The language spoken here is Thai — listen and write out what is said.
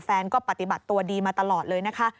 แฟนก็ปฏิบัติตัวดีมาตลอดเลยนะคะ